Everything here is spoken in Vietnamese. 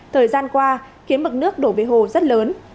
thời gian qua khiến mực nước đổ về hồ rất lớn